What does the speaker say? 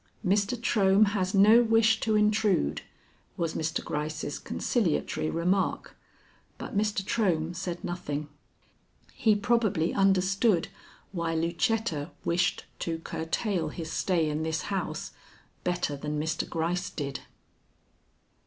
"Mr. Trohm has no wish to intrude," was Mr. Gryce's conciliatory remark; but Mr. Trohm said nothing. He probably understood why Lucetta wished to curtail his stay in this house better than Mr. Gryce did.